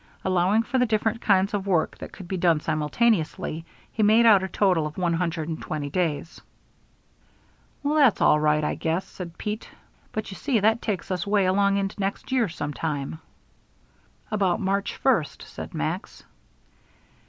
Allowing for the different kinds of work that could be done simultaneously, he made out a total of one hundred and twenty days. "Well, that's all right, I guess," said Pete, "but you see that takes us way along into next year sometime." "About March first," said Max.